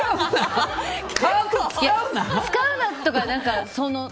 使うなとか。